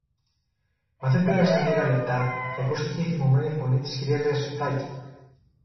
Μα δεν πέρασαν λίγα λεπτά και ακούστηκε η θυμωμένη φωνή της κυρίας Βασιωτάκη: